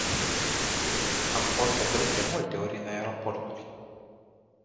Am fost oprit de multe ori în aeroporturi.